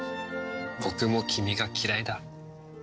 僕も君が嫌いだ。